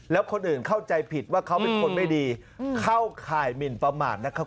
แล้วคนอื่นเข้าใจผิดว่าเขาเป็นคนไม่ดีเข้าข่ายหมินประมาทนะครับ